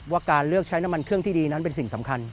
ว่าการเลือกใช้น้ำมันเครื่องที่ดีนั้นเป็นสิ่งสำคัญ